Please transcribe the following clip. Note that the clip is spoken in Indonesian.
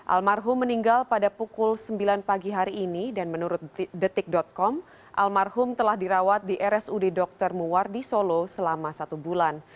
almarhum meninggal pada pukul sembilan pagi hari ini dan menurut detik com almarhum telah dirawat di rsud dr muwardi solo selama satu bulan